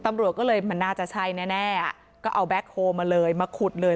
ตำรวจก็เลยมันน่าจะใช่แน่ก็เอาแบ็คโฮลมาเลยมาขุดเลย